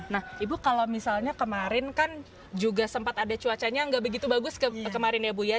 nah ibu kalau misalnya kemarin kan juga sempat ada cuacanya nggak begitu bagus kemarin ya bu ya